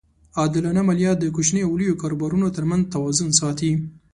عادلانه مالیه د کوچنیو او لویو کاروبارونو ترمنځ توازن ساتي.